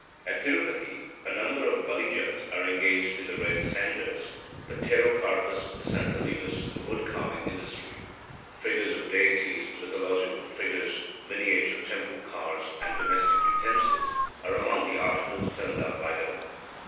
At Tirupati, a number of Balijas are engaged in the red sanders (Pterocarpus santalinus) wood carving industry. Figures of deities, mythological figures, miniature temple cars, and domestic utensils, are among the articles turned out by them.